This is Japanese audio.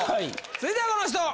続いてはこの人！